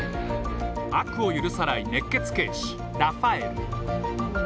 悪を許さない熱血警視ラファエル。